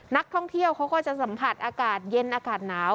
นักท่องเที่ยวเขาก็จะสัมผัสอากาศเย็นอากาศหนาว